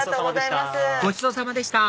ごちそうさまでした。